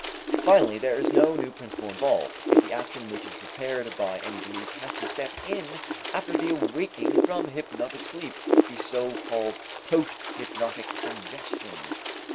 Finally there is no new principle involved, if the action which is prepared by any belief has to set in after the awaking from hypnotic sleep, the so called post hypnotic suggestion.